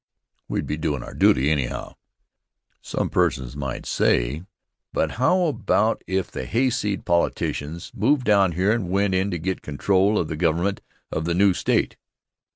We'd be doin' our duty anyhow. Some persons might say: "But how about it if the hayseed politicians moved down here and went in to get control of the government of the new state?"